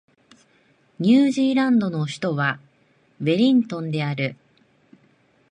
ニュージーランドの首都はウェリントンである